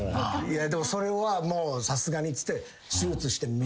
でもそれはもうさすがにっつって。